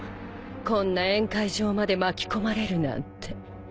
こんな宴会場まで巻き込まれるなんて。